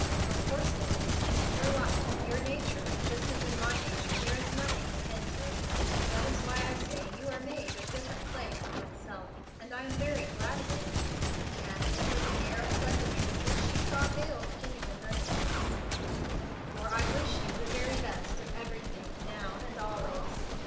"Of course it is. It's your life, your nature, just as in my nature there is nothing akin to it. That is why I say you are made of different clay from myself; and I am very glad of it," he added with an air of pleasantry which she saw veiled genuine earnestness, "for I wish you the best of everything now and always."